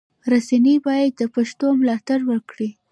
رسنی باید د پښتو ملاتړ وکړي.